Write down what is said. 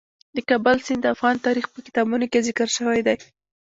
د کابل سیند د افغان تاریخ په کتابونو کې ذکر شوی دي.